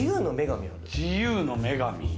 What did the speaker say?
自由の女神。